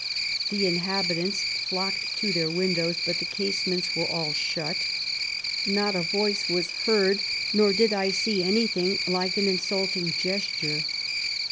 The inhabitants flocked to their windows, but the casements were all shut ; not a voice was heard, nor did I see anything like an insulting gesture.